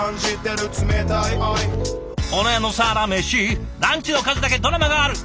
ランチの数だけドラマがある。